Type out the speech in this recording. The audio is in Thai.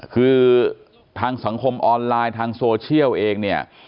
คือทางสังคมออนไลน์ทางโซเชียลเองเนี่ย